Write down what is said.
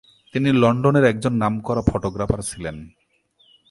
তিনি লন্ডনের একজন নামকরা ফটোগ্রাফার ছিলেন।